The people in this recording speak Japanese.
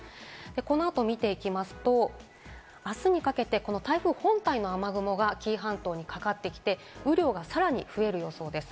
この後を見ていきますと、あすにかけて、この台風本体の雨雲が紀伊半島にかかってきて、雨量がさらに増える予想です。